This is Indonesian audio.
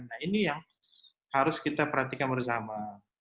nah ini yang harus kita perhatikan bersama